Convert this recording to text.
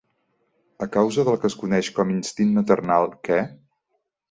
A causa del que es coneix com instint maternal, què?